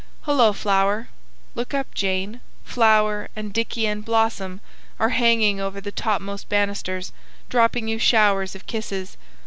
Hullo, Flower! Look up, Jane. Flower, and Dicky, and Blossom, are hanging over the topmost banisters, dropping you showers of kisses.